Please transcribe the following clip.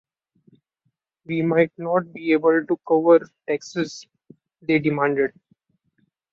We might not be able to cover the taxes they demanded.